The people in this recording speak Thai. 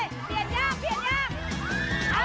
ต่อเลย